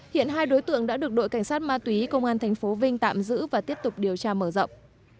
hiện hai đối tượng đã được đội cảnh sát ma túy công an tp vinh tạm giữ và tiếp tục điều tra mở rộng